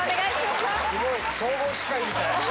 すごい！総合司会みたい。